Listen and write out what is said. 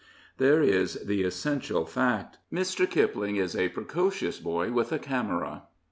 There is the essential fact. Mr. Kipling is a pre cocious boy with a camera.